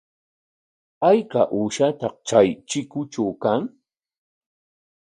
¿Ayka uushataq chay chikutraw kan?